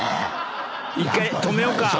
１回止めようか。